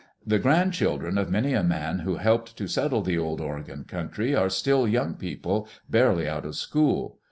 The grandchildren of many a man who helped to settle the Old Oregon country are still young people, barely out of school.